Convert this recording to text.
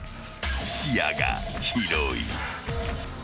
視野が広い］